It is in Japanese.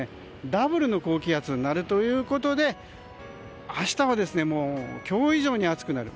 ダブルの高気圧になるということで明日は今日以上に暑くなる。